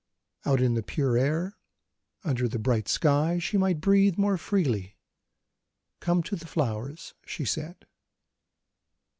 Out in the pure air, under the bright sky, she might breathe more freely. "Come to the flowers," she said.